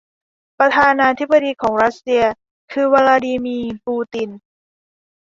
ประธานาธิบดีของรัสเซียคือ วลาดีมีร์ ปูติน